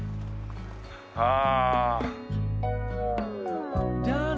ああ。